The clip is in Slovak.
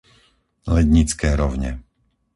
Lednické Rovne